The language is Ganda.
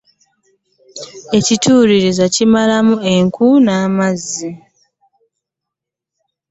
Ekituliriza kimala enku n'amazzi .